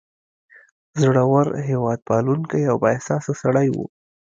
زړور، هیواد پالونکی او با احساسه سړی و.